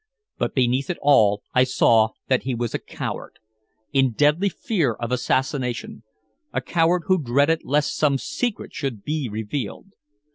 But beneath it all I saw that he was a coward in deadly fear of assassination a coward who dreaded lest some secret should be revealed.